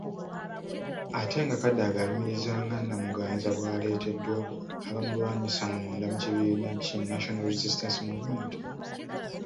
Ate nga Kadaga alumirizza nga Namuganza bw'aleeteddwa abamulwanyisa munda mu kibiina ki National Resistance Movement.